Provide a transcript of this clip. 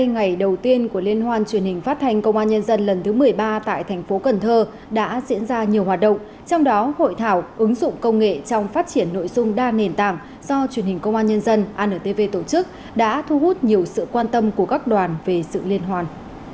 hai mươi ngày đầu tiên của liên hoan truyền hình phát thanh công an nhân dân lần thứ một mươi ba tại thành phố cần thơ đã diễn ra nhiều hoạt động trong đó hội thảo ứng dụng công nghệ trong phát triển nội dung đa nền tảng do truyền hình công an nhân dân antv tổ chức đã thu hút nhiều sự quan tâm của các đoàn về sự liên hoan